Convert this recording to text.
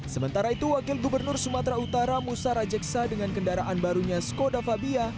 sementara itu wakil gubernur sumatera utara musa rajeksa dengan kendaraan barunya skoda fabia